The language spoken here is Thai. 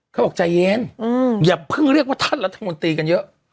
เขาบอกใจเย็นอย่าเพิ่งเรียกว่าท่านรัฐมนตรีกันเยอะ